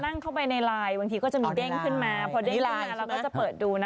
เข้าไปในไลน์บางทีก็จะมีเด้งขึ้นมาพอเด้งมาเราก็จะเปิดดูนะ